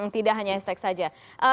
tidak hanya hashtag saja